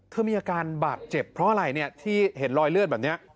มีอาการบาดเจ็บเพราะอะไรเนี่ยที่เห็นรอยเลือดแบบนี้